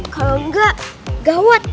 kalau enggak gawat